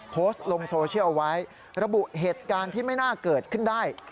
โพสต์ลงโซเชียลเอาไว้ระบุเหตุการณ์ที่ไม่น่าเกิดขึ้นได้